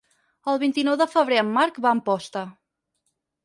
El vint-i-nou de febrer en Marc va a Amposta.